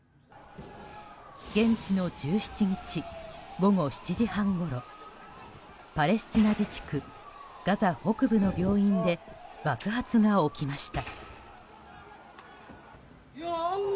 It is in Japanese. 現地の１７日午後７時半ごろパレスチナ自治区ガザ北部の病院で爆発が起きました。